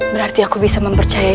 berarti aku bisa mempercaya